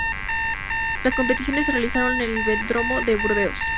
Las competiciones se realizaron en el velódromo de Burdeos.